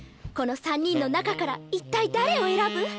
この３人の中から一体誰を選ぶ？